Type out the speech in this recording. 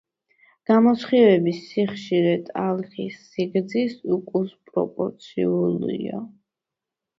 გამოსხივების სიხშირე ტალღის სიგრძის უკუპროპორციულია.